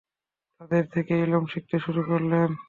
তাদের থেকে ইলম শিখতে শুরু করলেন।